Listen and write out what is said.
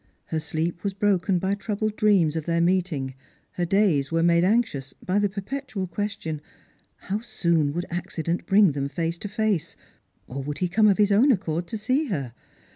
Her sleep was broken by troubled dreams of their meet ing; her days were made anxious by the perpetual question, How soon would accident bring them face to face ? Or would he come of his own accord to see her